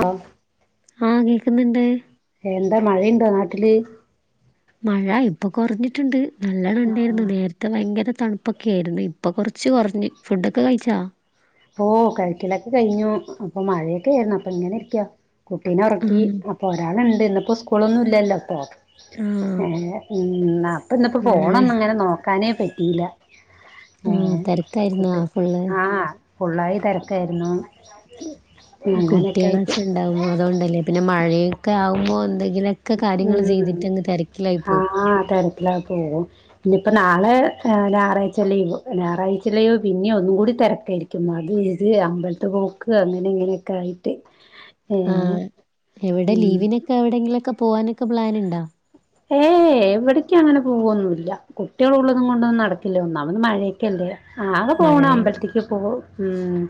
ആഹ് ആഹ് കേൾക്കുന്നുണ്ട് എന്താ മഴയുണ്ടോ നാട്ടില് മഴ ഇപ്പൊ കുറഞ്ഞിട്ടുണ്ട് നല്ലണ്ണം ഇണ്ടേരുന്നു ആഹ് നേര ഭയങ്കര തണുപ്പൊക്കെ ആയിരുന്നു ഇപ്പൊ കുറച്ച് കുറഞ്ഞ് ഫുഡൊക്കെ കഴിച്ചാ ഓഹ് കഴിക്കലൊക്കെ കഴിഞ്ഞു അപ്പൊ മഴയൊക്കെ ആയിരുന്നു അപ്പൊ ഇങ്ങനെ ഇരിക്ക കുട്ടീനെ ആ ഉറക്കി അപ്പൊ ഒരാളുണ്ട് ഇന്നിപ്പോ സ്കൂളൊന്നും ഇല്ലല്ലോ ഇപ്പൊ ആ ഏഹ് ഉം അപ്പ ഇന്നപ്പോ മഴ ഫോണൊന്നും അങ്ങനെ നോക്കാനേ പറ്റിയില്ല ആ പിന്നെ തിരക്കായിരുന്നു ഫുഡ് ആ ഫുള്ള്. ഫുള്ളായി തിരക്കായിരുന്നു അങ്ങനെയൊക്കെ ആയിട്ട് കുട്ട്യാളൊക്കെ ഇണ്ടാവുമ്പൊ അതുകൊണ്ടല്ലേ പിന്നെ മഴയൊക്കെ ആവുമ്പോ എന്തെങ്കിലൊക്കെ കാര്യങ്ങള് ഉം ചെയ്തിട്ടങ്ങ് തിര ക്കിലായി പോവും ആഹ് തെര അല്ല പോവും ഇനി ഇപ്പോ നാളെ ഞായറാഴ്ച ലീവ് ഞായറാഴ്ച ലീവ് പിന്നേം ഒന്നും കൂടി തിരക്കായിരിക്കും അത് ഇത് അമ്പല്ത്ത്ക്ക് പോക്ക് അങ്ങനെ ഇങ്ങനെയൊക്കെ ആയിട്ട് ഏഹ് ആഹ് എവിടെ ഉം ലീവിനൊക്കെ എവിടെങ്കിലും ഒക്കെ പോവാനൊക്കെ പ്ലാൻ ഇണ്ട ഏയ് എവിടേക്കങ്ങനെ പോവൊന്നുല്ല കുട്ടികളുള്ളതും കൊണ്ടൊന്നും നടക്കില്ല ഒന്നാമത് മഴ ക്കല്ലേ ആക പോണ മഴ അമ്പൽത്തേക്ക് പോകും ഉം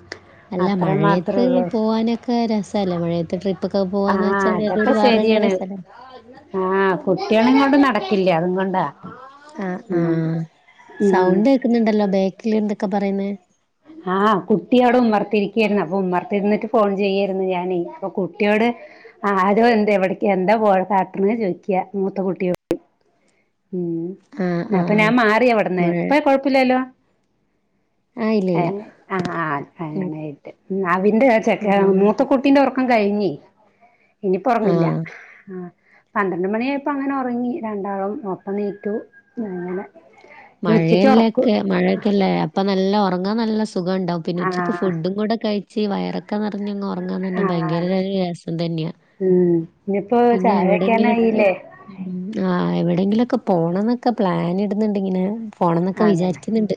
അല്ല അത്ര മാത്രേ മഴയത്ത് ഉള്ളൂ പോവാനൊക്കെ രസല്ലെ മഴയത്ത് ട്രിപ്പ പ്പൊക്കെ പോവാന്ന് ആഹ് വച്ചാല് അതൊക്കെ അതൊരു വേറെന്നെ ശരിയാണ് രസല്ലേ ആഹ് കുട്ടികളേം കൊണ്ട് നടക്കില്ല അതും കൊണ്ടാം ആഹ് ആഹ് ഉം സൗണ്ട് കേക്കുന്നുണ്ടല്ലോ ബേക്കില് എന്തൊക്കെ പറയുന്നെ? ആഹ് കുട്ടിയോടെ ഉമ്മർത്തിരിക്കയായിരുന്നു അപ്പൊ ഉമ്മർത്തിരുന്നിട്ട് ഫോൺ ചെയ്യായിരുന്നു ഞാനേ അപ്പൊ കുട്ടിയോട് ആഹ് ആരോ എന്താ എവിടേക്ക് എന്താ കാട്ട്ണേ ചോദിക്ക മൂത്ത കുട്ടിയൊ ഉം ആഹ് അപ്പൊ ആഹ് ഞാൻ മാറിയവിട്ന്ന് മഴ ഇപ്പ കൊഴപ്പില്ലല്ലോ? ആഹ് ഇല്ല ഇല്ല ഏഹ് ആഹ് ആ ഉം അങ്ങനായിട്ട് അതിന്റെ ചെക്കൻ ഉം മൂത്തകു ട്ടീന്റെ ഒറക്കം കഴിഞ്ഞി ഇനീപ്പ ഒറങ്ങില്ല്യാ ആഹ് ആഹ്. പന്ത്രണ്ട് മണിയായപ്പോ അങ്ങനെ ഒറങ്ങി രണ്ടാളും ഒർക്കം എനീറ്റു അങ്ങനെ. ഉച്ചക്ക് മഴയല്ലേ ഉറക്കു ഒക്കെ മഴയൊക്കെല്ലേ അപ്പൊ നല്ല ഒറങ്ങാൻ നല്ല സുഖം ഇണ്ടാവും. പിന്നെ ഉച്ചയ്ക്ക് ആഹ് ഫുഡും കൂടെ കഴിച്ച് വയറൊക്കെ നിറഞ്ഞങ്ങ് ഉറങ്ങാന്ന് പറഞ്ഞാ ആഹ് ഭയങ്കര അത് ര് രസം തന്നെയാ. ഉം ഇനിയിപ്പോ പിന്നെ ചായ എവിടെങ്കിലൊക്കെ വെക്കാനായില്ലേ? ആഹ് എവിടെങ്കിലൊക്കെ പോണന്നൊക്കെ പ്ലാൻ ഇടുന്നുണ്ടിങ്ങനെ പോണോന്നൊക്കെ അതെ വിചാരിക്കുന്നുണ്ട്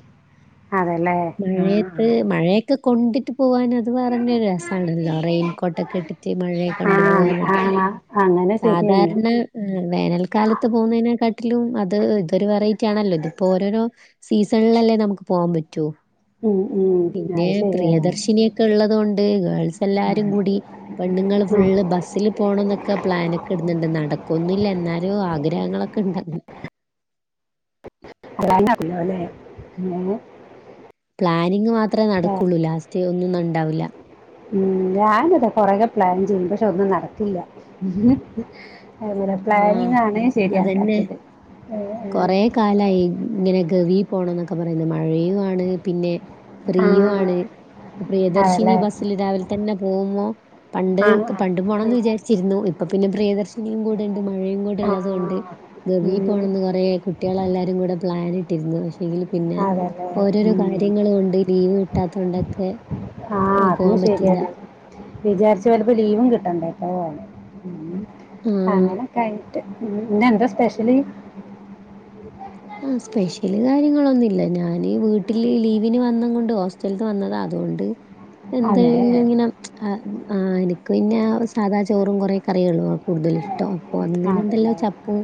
അതെല്ലേ മഴയത്ത് ആഹ് മഴയെ കൊണ്ടിട്ട് പോകാൻ അത് പറഞ്ഞാ രസ ണല്ലോ റെയിൻകോട്ടൊക്കെ ഇട്ടിട്ട് മഴയെ ആഹ് കൊണ്ടുപോവാന്ന് ആഹ് പറഞ്ഞാല് ആഹ് അങ്ങനെ ശരിയാണ് സാധാരണ ആ വേനൽക്കാലത്ത് പോകുന്നതിനെക്കാട്ടിലും അത് ഇതൊരു വെറൈറ്റി ആണല്ലോ ഇതിപ്പോ ഓരോരോ സീസണിലല്ലേ നമുക്ക് പോവാൻ പറ്റൂ. ഉം ഉം. പിന്നെ അത് ശരിയാണ് പ്രിയദർശിനിയൊക്കെ ഇള്ളത് കൊണ്ട് ഗേൾസ് എല്ലാരും കൂടി പെണ്ണുങ്ങള് ഉം ഫുള്ള് ബസ്സിലും പോണോന്നൊക്കെ പ്ലാനൊക്കെ ഇടുന്നുണ്ട് നടക്കോന്നില്ലാ എന്നാലും ആഗ്രഹങ്ങളൊക്കെ ഇണ്ട്. [unintelligible] പ്ലാനിംഗ് മാത്രമേ നടക്കുള്ളൂ ലാസ്റ്റ് ഒന്നും ഇണ്ടാവൂല്ലാ. ഉം ഞാനതാ കൊറേക്കാ പ്ലാൻ ചെയ്യും പക്ഷെ ഒന്നും നടക്കില്ലാ. നമ്മടേ ആഹ് പ്ലാനിങ് ആണ് അതന്നെ ശരിയാക്കാത്തത്. കൊറെ കാലായി ഇങ്ങനെ ഗവി പോണം എന്നൊക്കെ പറയുന്ന് മഴയുമാണ് പിന്നെ ഫ്രീയും ആഹ് ആണ് പ്രിയദർശിനി അതല്ലേ ബസ്സില് രാവിലെ തന്നെ പോകുമൊ ആഹ് പണ്ട്ക്ക് പണ്ട് ആഹ് പോണമെന്ന് വിചാരിച്ചിരുന്നു ഇപ്പൊ പിന്നെ പ്രിയദർശിനിയും കൂടെണ്ട്. യും കൂടെയുള്ളത് കൊണ്ട് ആഹ് ഗെവി ഉം പോകണന്ന് പറയാ കുട്ടികളെല്ലാരും കൂടെ പ്ലാനിട്ടിരുന്നു പക്ഷെങ്കി പിന്നെ അതെല്ലേ ഓരോരോ ഉം കാര്യങ്ങള് കൊണ്ട് ലീവ് കിട്ടാത്ത കൊണ്ടൊക്കെ ആഹ് അതും ശരിയാണ് വിചാരിച്ച് വരുമ്പ ലീവും കിട്ടണ്ടേ പോവാൻ ആഹ് അങ്ങനെക്കായി ഇന്ന് എന്താ സ്പെഷ്യല്? ആ സ്പെഷ്യല് കാര്യങ്ങളൊന്നുല്ലാ ഞാന് വീട്ടില് ലീവിന് വന്ന് കൊണ്ടോ ട്ത്ത് വന്നതാ അതുകൊണ്ട്. എന്താ അതെ ഇങ്ങനെ അ ആഹ് എനിക്ക് പിന്നെ സാധാ ചോറും കൊറെ കറികളുവാക്കും. കൂടുതൽ ഇഷ്ടം അപ്പൊ അങ്ങനെ എന്തല്ലോ അതല്ലേ ചപ്പു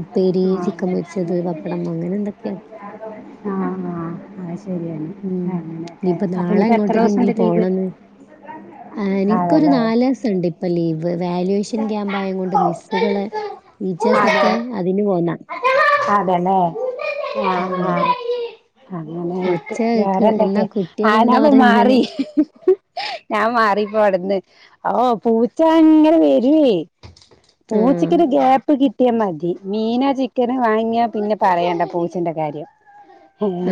ഉപ്പേരി ചിക്കൻ പൊരിച്ചത് [unintelligible] അങ്ങനെ എന്തൊക്കെയാ ആഹ് ആ അത് ശരിയാണ്. ഉം ആഹ് അങ്ങനെയൊക്കെ ഇനിയിപ്പ അപ്പൊ നാളെ ഇനിപ്പോ എത്ര ദിവസൂണ്ട് ലീവ്? ആ എനിക്കൊരു അതല്ലേ നാല് വസൂണ്ട്. അപ്പൊ ലീവ് വാല്യുവേഷൻ ക്യാമ്പായതു കൊണ്ട് മിസ്സുകള് ടീച്ചേഴ്സ് ഒക്കെ അതിന് പോന്നാ അതെല്ലേ ആഹ് ആ. അങ്ങനായിട്ട് ഒച്ച കേക്ക് വേറെന്തൊക്കെ എന്നാ കുട്ടികളെന്താ ആലവ് പറയുന്നേ മാറി ഞാൻ മാറിപ്പോ അവിടുന്ന് ഓ പൂച്ച അങ്ങനെ വരുവേ പൂച്ചയ്ക്ക് ആഹ് ഒരു ഗ്യാപ്പ് കിട്ടിയാ മതി മീന ചിക്കന് വാങ്ങിയാ പിന്നെ പറയണ്ട പൂച്ചേന്റെ കാര്യം.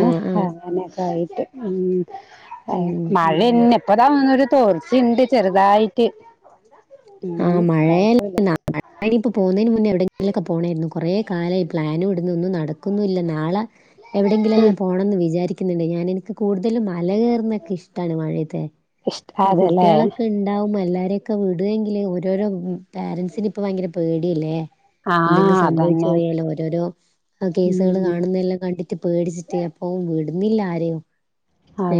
ആഹ് ആഹ് അങ്ങനെയൊക്കെ ആയിട്ട് ഉം ഉം മഴന്നെ ഇപ്പതാ ഒന്നൊര് തോർച്ചയുണ്ട് ചെറുതായിട്ട്. ആ ഉം മഴേ കൊഴപ്പല്ല [unintelligible] [unintelligible] ഇപ്പോ പോകുന്നതിന് മുന്നേ എവിടെങ്കിലൊക്കെ പോണേയ്ര്ന്നു കൊറേ കാലായി പ്ലാനും ഇടുന്നു ഒന്ന് നട ക്കൊന്നുല്ലാ നാളെ എവിടെങ്കിലു ഉം എല്ലം പോണംന്ന് വിചാരിക്കിന്ന്ണ്ട് ഞാൻ എനിക്ക് കൂടുതലും മല കയറുന്നതൊക്കെ ഇഷ്ടാണ് മഴയത്തേ ഇഷ്ട ഞ്ഞ് അതല്ലേ കുട്ടിയാളൊക്കെ ഇണ്ടാവുമ്പൊ എല്ലാരെയൊക്കെ വിടോങ്കില് ഓരോരോ പാരൻറ്സിന് ഇപ്പ ഭയങ്കര പേടിയല്ലേ ആഹ് എന്തെങ്കിലും സംഭവിച്ചു അതന്നെ പോയാലോ ഓരോരോ കേസുകൾ ഉം കാണുന്നതെല്ലാം കണ്ടി ട്ട് പേടിച്ചിട്ട് അപ്പ വിടുന്നില്ല ആരെയും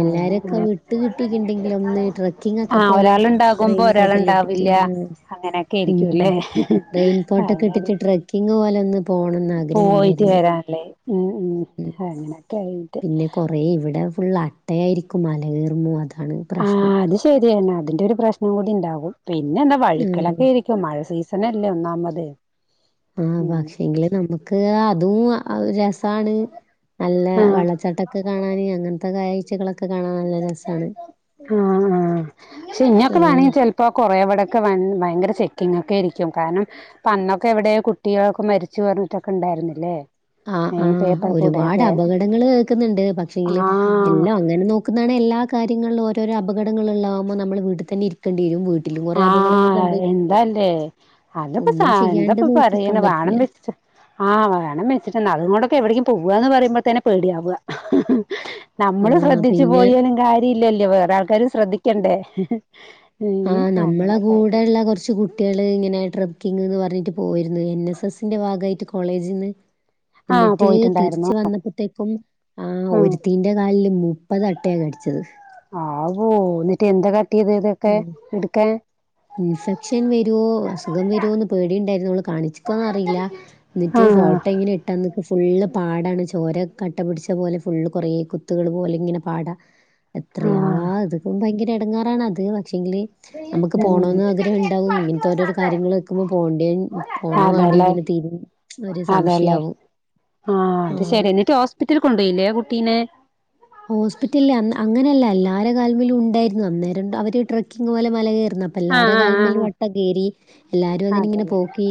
എല്ലാരി ഒക്കെ അതെ വിട്ട് കിട്ടിണ്ടെങ്കിലൊ ന്ന് ട്രക്കിങ് ഒക്കെ ആ പോലെ ഒരാളുണ്ടാകുമ്പോ റെയിൻകോട്ടെ ല്ലാം ഇട്ട്. ഒരാളുണ്ടാവില്ല റ്റ് അങ്ങനെയൊക്കെ ആയിരിക്കുംല്ലേ [unintelligible] റെയിൻകോട്ടൊക്കെ അങ്ങനെ ഇട്ടിട്ട് ട്രക്കിങ് പോലെ ഒന്ന്. പോണംന്ന് ആഗ്രഹം പോയിട്ട് ഉണ്ടായിരുന്നു. വരാനല്ലേ ഉം ഉം അങ്ങനെയൊക്കെ ആയിട്ട്. പിന്നെ കുറേ ഇവിടെ ഫുൾ അട്ടയായിരിക്കും മലകയറുമ്പോ അതാണ്. പ്രശ്നം. ആഹ് അത് ശരിയാണ് അതിന്റെ ഒരു പ്രശ്നം കൂടി ഇണ്ടാവും പിന്നെ എന്താ ഉം വഴുക്കലൊക്കെ ഇ ക്കെ മഴ സീസണല്ലേ ഒന്നാമത്. ആഹ് ഉം പക്ഷെങ്കില് നമുക്ക് അതും അ രസാണ്. നല്ല ആ വള്ളച്ചാട്ടൊക്കെ കാണാന് അങ്ങനത്തെ കാഴ്ചകളൊക്കെ ഒക്കെ കാണാൻ നല്ല രസാണ് ആ ആഹ് പ്പോ കൊറെ ഇവിടൊക്കെ വൺ ഭയങ്കര ചെക്കിങ് ഒക്കേയിരിക്കും കാരണം. പന്നൊക്കെ എവിടെ കുട്ടികളൊക്കെ മരിച്ചു പറഞ്ഞിട്ടൊക്കെ ഇണ്ടായിരുന്നില്ലേ ആഹ് ആഹ് ഒരുപാട് അപകടങ്ങൾ കേൾക്കുന്നുണ്ട് പക്ഷെങ്കില് ആഹ് എല്ലാം അങ്ങനെ നോക്ക ക്ക്ന്നതാണ് എല്ല കാര്യങ്ങളിലും ഓരോരോ അപകടങ്ങളെള്ളാകുമ്മോ നമ്മൾ വീട്ട് തന്നെ ഇരിക്കും. ആഹ് അഹ് എന്താല്ലേ അതിപ്പോ സാ ഒന്നും ചെയ്യാണ്ട് എന്താപ്പ പറ നോക്കിക്കാൻ റയ്ന്ന് പറ്റില്ല. വാണംന്നെച്ട്ട് ആഹ് വാണംന്നെച്ചിട്ടെന്നെ അത്ങ്ങോണ്ടൊക്കെ എവിടേക്കും പോവാന്ന് പറയുമ്പോത്തന്നെ പേടിയാവ. ആ നമ്മള് ശ്രദ്ധിച്ചു പിന്നെ പോയാലും കാര്യ ഇല്ലല്ലോ വേറെ ആൾക്കാരും ശ്രദ്ധിക്കണ്ടേ ഉം ആഹ് നമ്മളെ അങ്ങനെയൊക്കെ ആയിട്ട് കൂടെയുള്ള കുറച്ച് കു ട്ടിയേള് ഇങ്ങനെ ട്രക്കിങ്ങ് ന്ന് പറഞ്ഞിട്ട് പോവാര്ന്നു എൻ എസ് എസിന്റെ ഭാഗായിട്ട് കോളേജി ന്ന്. ആഹ് എന്നിട്ട് പോയിട്ടുണ്ടായിരുന്നു തിരിച്ച് വന്നപ്പോത്തേക്കും ആഹ് ഉം ഒരു തീ ന്റെ കാലില് മുപ്പത് അട്ടയാ കടിച്ചത്. ആവോ ന്നിട്ട് എന്താ കാട്ടിയത് ഇതിനൊക്കെ ഇട്ക്കാൻ. ഇൻഫെക്ഷൻ വരുവോ അസുഖം വരോന്ന് പേടിയ്ണ്ടായിരുന്നു ഇവള് കാണിച്ച്ക്കോന്ന് അറിയില്ല. ന്നിട്ട് ആഹ് ഫോട്ടോ ങ്ങനെട്ട്. ട്ടെന്ന്ക്ക്‌ ഫുള് പാടാണ് ചോര കട്ട പിടിച്ച പോലെ ഫുള് കുറേ കുത്തുകൾ പോലെ ഇങ്ങനെ പാടാ എത്രയാ ആഹ് ഇത്ക്ക് ഭയങ്കര ഇടങ്ങാറാണ് അത് പക്ഷെങ്കില്. നമുക്ക് ഉം പോണോന്ന് ആഗ്രഹം ഇണ്ടാകും ഇങ്ങനത്തെ ഓരോ കാര്യങ്ങൾ കേക്കുമ്പോ പോണ്ടേൻ പോണാ വാ ണ്ടേ അതെല്ലേ ഇങ്ങനെ തീ ഒര് അതെല്ലേ സംശയാവും. ആഹ് അത് ശരിന്നെ ഹോസ്പിറ്റൽ കൊണ്ടോയിലേ ആ കുട്ടീനെ ഹോസ്പിറ്റല് അ ന്ന് അങ്ങനെയല്ല എല്ലാരെ കാല്മലും ഇണ്ടായിരുന്നു അന്നേരം അവര് ട്രക്കിങ് പോലെ മല കേറ്ന്ന. അപ്പ ആഹ് എല്ലാര ആഹ് ആഹ് കാല്മ്മലും അട്ട കേരി എല്ലാരും ആഹ് അതിനെ ഇങ്ങനെ അതെല്ലേ പോക്കി.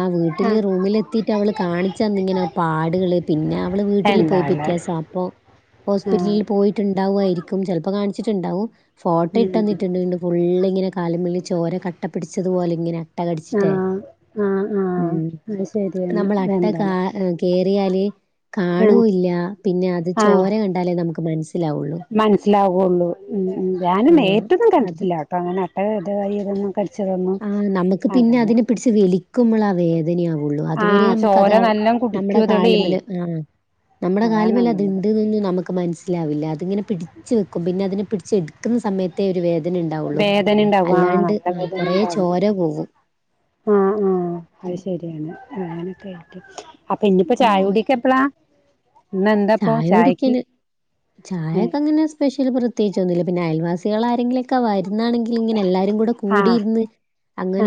ആഹ് വീട്ടില് റൂമിലെത്തിട്ട് അവള് കാണിച്ചന്നിങ്ങനെ പാടുകള് പിന്നെ അവള് വീട്ടിൽ പോയി പി എന്താല്ലേ റ്റ്യേസാ അപ്പോ. ആഹ് ഹോസ്പിറ്റലിൽ പോയിട്ടുണ്ടാവായിരിക്കും ചെലപ്പോ കാണിച്ചിട്ടുണ്ടാവും ഫോട്ടോ ഇട്ട് ഉം തന്നിട്ടുണ്ട് വീണ്ടും. ഫുള്ളിങ്ങനെ കാല്മ്മല് ചോരെ കട്ടപ്പിടിച്ചതുപോലെ ഇങ്ങനെ. അട്ട കടിച്ചിട്ടേ ആഹ് ആഹ് ആഹ് ഉം അത് ശരിയാണ് നമ്മൾ അട്ട എന്താല്ലേ കാല് കേറിയാല് കാണുല്ല പിന്നെ അത് ചോര കണ്ട് മനസ്സിലാവൊള്ളൂ ഉം ഞാന് ആഹ് നേരിട്ടൊന്നും അത് കണ്ടിട്ടില്ലാ ട്ടോ അങ്ങനെ അട്ട ഇതായതൊന്നും ക ആഹ് നമുക്ക് പിന്നെ അതിനെ പിടിച്ച് വലി ക്കുമ്മളാ വേദനയാവുള്ളു അതുവരെ ആഹ് ചോര നമുക്കത് നല്ലോം നമ്മുടെ കുടിക്കും അതളേ കാല്മ്മ്ല് ആഹ് നമ്മ്ടെ അതാണ് കാല്മല് അത് ഒന്നാമത് ഇണ്ട്ന്നൊന്നും നമുക്ക്. മനസ്സിലാവില്ല അതിങ്ങനെ പിടിച്ചു നിക്കും പിന്നെ അതിനെ പിടിച്ച് എടുക്കുന്ന സമയത്ത്. ത്തേ ഒരു വേദന ഇണ്ടാവുള്ളൂ വേദന ഉണ്ടാവും അല്ലാണ്ട് ആഹ് കൊറേ ചോര പോവും [unintelligible] ആഹ് ആഹ് അത് ശരിയാണ് അങ്ങനെയൊക്കെ ആയിരിക്കും അപ്പൊ ഇന്നിപ്പോ ചായ ഉം കുടി ഒക്കെ എപ്പളാ ഇന്ന് എന്താപ്പോ ചായ ചായക്ക് കുടിക്കാന് ചായക്കങ്ങനെ സ്‌പെഷൽ പ്രത്യേകിച്ച് ഒന്നുല്ല പിന്നെ അയൽവാസികൾ ആരെങ്കിലൊക്കെ വരുന്നാണെങ്കിൽ ഇങ്ങനെ എല്ലാരും കുടു ആഹ് കൂടിയിരുന്ന്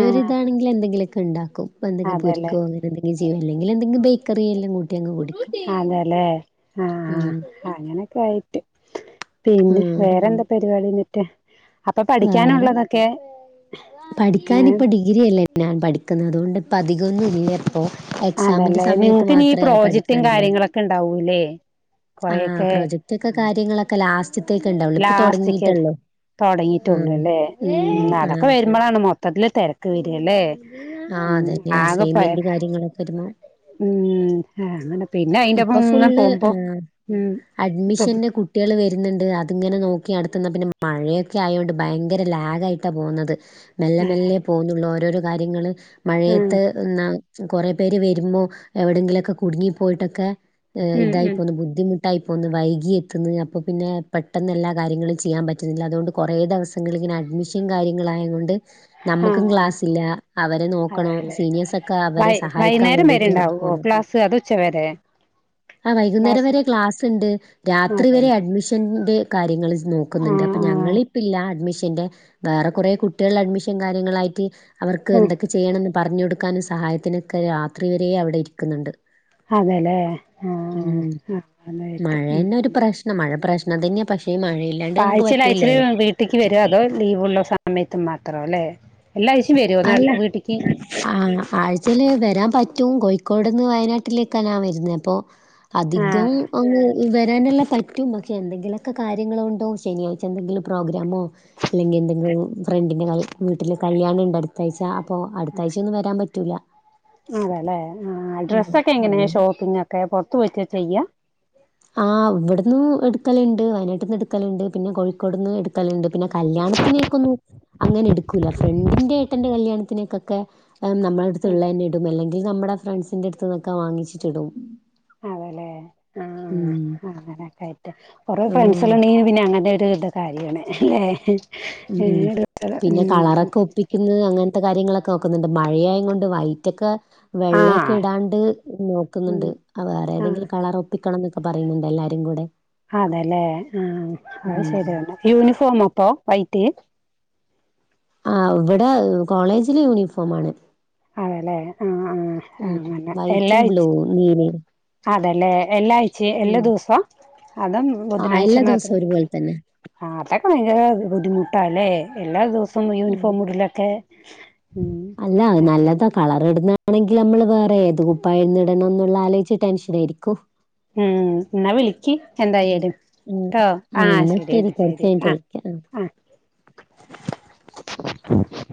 ആഹ് എന്തെങ്കിലുമൊക്കെ ഉണ്ടാക്കും എന്തെങ്കിലും അതെല്ലേ പൊരിക്കോ അങ്ങ എന്തെങ്കിലും ചെയ്യും അല്ലെങ്കിൽ എന്തെങ്കിലും ബേക്കറി എല്ലാം കൂട്ടി അങ്ങ് കുടിക്കും അതെല്ലേ ആഹ് ഉം അങ്ങനെയൊക്കെയായി പിന്നെ ഉം വേറെന്താ പരിപാടിയെന്നിട്ട് അപ്പൊ പഠിക്കാനുള്ളത ക്കെ പഠിക്കാൻ ഇപ്പോ ഡിഗ്രി അല്ലേ ഞാൻ പഠിക്കുന്നത് അതുകൊണ്ട് ഇപ്പോ അതിക്കമൊന്നും ഇല്ല ഇപ്പൊ എക്സാമിന്റെ അതല്ലേ സമയത്ത് നിങ്ങക്ക് ഇനി ഈ മാത്രേ പ്രോജക്ടും പഠിക്കാനുണ്ടാവുള്ളൂ കാര്യങ്ങളൊക്കെ ഉണ്ടാവൂല്ലേ ആഹ് കൊറെയൊക്കെ പ്രൊജക്റ്റ് ഒക്കെ കാര്യങ്ങളൊക്കെ ലാസ്റ്റത്തേക്ക് ഉണ്ടാവുള്ളൂ ഇപ്പൊ തുടങ്ങിയിട്ടേള്ളൂ തുടങ്ങിയിട്ടുള്ളൂല്ലേ ഉം അതൊക്കെ ആഹ് വരുമ്പോഴാണ് മൊത്തത്തിൽ തിരക്ക് വരുവല്ലേ ഉം ആക്കപ്പെ ഇങനെയൊകെ ഇരുന്ന് ഉം അങ്ങനെ പിന്നെ അയിന്റെപ്പം ഇപ്പൊ ഇങ്ങനെ ഫുള്ള് പോകുമ്പോ ഉം ഇപ്പം കുട്ട്യാള് വരുന്നുണ്ട് അതിങ്ങനെ നോക്കി അടുത്തിന്നാ പിന്നെ മഴയൊക്കെ ആയോണ്ട് ഭയങ്കര ലാഗായിട്ടാ പോകുന്നത് മെല്ലെ ആ മെല്ലെ പോകുന്നുള്ളൂ ഓരോരോ കാര്യങ്ങള് ഉം മഴയത്ത് എന്നാ കൊറേ പേര് വരുമ്പോ എവിടെങ്കിലൊക്കെ കുടുങ്ങി പോയിട്ടൊക്കെ ഏ ഉം ഉം ഇതായിപ്പോകുന്നു ബുദ്ധിമു ഇരുട്ടായി പോകുന്നു വൈകി എത്തുന്നു അപ്പോ പിന്നെ പെട്ടെന്ന് എല്ലാ കാര്യങ്ങളും ചെയ്യാൻ പറ്റുന്നില്ല അതുകൊണ്ട് കൊറേ ദിവസങ്ങളിങ്ങനെ അഡ്മിഷൻ കാര്യങ്ങളായതോണ്ട്. നമ്മക്കും ആഹ് ക്ലാസ് ഇല്ല അവരെ നോക്കണോ അതെല്ലേ സീനിയേഴ്സൊക്കെ അവരെ സഹായിക്കാൻ വേണ്ടിട്ട് ഓ ക്ലാസ് അത് ഉച്ചവരെ ആഹ് വൈകുന്നേരം വരെ ക്ലാസ് ഇണ്ട് രാത്രി വരെ അതല്ലേ അഡ്മിഷന്റെ കാര്യങ്ങൾ നോക്കുന്നുണ്ട് ആഹ് അപ്പൊ ആഹ് ഞങ്ങളിപ്പ അഡ്മിഷന്റെ വേറെ കുറേ കുട്ടികൾ അഡ്മിഷൻ ച്ചു കാര്യങ്ങളായിട്ട് അവർക്ക് എന്തൊക്കെ ചെയ്യണന്ന് പറഞ്ഞു കൊടുക്കാനും സഹായത്തിനൊക്കെ രാത്രി വരേ അവിടെ ഇരിക്കുന്നുണ്ട് അതെലേ ആഹ് ഉം ആഹ് അന്നായിട്ട് ഉം മഴന്നെ ഒരു പ്രശ്നം മഴ പ്രശനം തന്നെയാ പക്ഷേ ഈ മഴയിൽ ആഴ്ചയിൽ ആഴ്ചയിൽ വീട്ടിക്ക് വരോ അതോ ലീവുള്ള സമയത്ത് മാത്രം അല്ലേ എല്ലാ ആഴ്ചയും വരുവോ അല്ല നാട്ട് വീട്ടിക്ക് ആഹ് ആഴ്ചയിൽ വരാൻ പറ്റും കോഴിക്കോടുന്ന് വയനാട്ടിലേക്കാ ഞാൻ വരുന്നെ അപ്പോ അധികം ആഹ് ഒരു വരാനെല്ലാം പറ്റും പക്ഷെ എന്തെങ്കിലുമൊക്കെ കാര്യങ്ങളുകൊണ്ടോ ശനിയാഴ്ച എന്തെങ്കിലും പ്രോഗ്രാമോ ഇല്ലെങ്കിൽ എന്തെങ്കിലും ഫ്രണ്ടിന്റെ വീട്ടില് കല്യാണണ്ട് അടുത്താഴ്ച അപ്പൊ അടുത്താഴ്ചയൊന്നും വരാൻ പറ്റൂല അതെല്ലെ ആഹ് ഉം ഡ്രസ്സൊക്കെ എങ്ങനെയാ അങ്ങനെ ഷോപ്പിങ്ങൊക്കെ പുറത്തുപോയിട്ടാ ചെയ്യാ ആഹ് ഇവിടെന്ന് എടുക്കലുണ്ട് വയനാട്ടിൽ നിന്ന് എടുക്കലുണ്ട് പിന്നെ കോഴിക്കോടുന്ന് എടുക്കലുണ്ട് പിന്നെ കല്യാണത്തിനേക്കൊന്നും അങ്ങനെ എടുക്കൂല്ല ഫ്രണ്ടിന്റെ ഏട്ടന്റെ കല്യാണത്തിനേക്കൊക്കെ ഉം നമ്മളെയെടുത്തുള്ളതന്നെ ഇടും അല്ലെങ്കിൽ നമ്മടെ ഫ്രണ്ട്സിന്റെ അടുത്ത് നിന്നൊക്കെ വാങ്ങിച്ചിട്ടിടും അതെല്ലെ ആഹ് ഉം ആഹ് അങ്ങനെയൊക്കെ ആയിട്ട് കൊറേ ആഹ് ഫ്രാൻസോലോണ്ടങ്കി പിന്നെ അങ്ങനൊരു ഇത് കാര്യമാണ് ഏഹ് ഉം പിന്നെ കളറൊക്കെ ഒപ്പി ക്കുന്ന് അങ്ങനത്തെ കാര്യങ്ങളൊക്കെ നോക്കുന്നുണ്ട് മഴയോണ്ട് വൈറ്റൊക്കെ വെള്ളയൊക്കെ ആഹ് ഇടാണ്ട് ഉം നോക്കുന്നുണ്ട് വേറെ ആഹ് ഏതെങ്കിലും കളറോ ഒപ്പിക്കണം എന്നൊക്കെ പറയുന്നുണ്ട് എല്ലാരും കൂടെ അതെല്ലേ ആഹ് അത് ഉം ശരിയാണ് യൂണിഫോമോ അപ്പൊ വൈറ്റ് ആഹ് ഇവിടെ കോളേജില് യൂണിഫോമാണ് അതെല്ലേ ആ ആ ഉം അങ്ങനെ വൈറ്റും ബ്ലൂവും നീലയും അതെല്ലേ എല്ലാഴ്ചയും എല്ലാ ഉം ദിവസവും അതും ആഹ് ബുധനാഴ്ച എല്ലാ ദിവസവും മാത്രം ഒരുപോലെ തന്നെ ആ അതൊക്കെ ഭയങ്കര ബുദ്ധിമുട്ടാല്ലേ എല്ലാ ദിവസവും ഉം. യൂണിഫോം ഉടിലൊക്കെ അല്ല നല്ലത കളർടുന്നാണെങ്കിൽ നമ്മള് വേറെ ഏത് കുപ്പയിന്നിടണം എന്നുള്ള ആലോയിച്ച് ടെൻഷൻ ആരിക്കു ഉം ന്നവിളിക്കി എന്തായാലും ആ ആ എന്നാ ശരി കുറച്ച കഴിഞ്ഞട്ട് വിളിക്കാം ആഹ് ആ [inaudible]